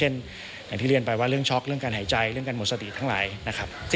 อย่างที่เรียนไปว่าเรื่องช็อกเรื่องการหายใจเรื่องการหมดสติทั้งหลายนะครับ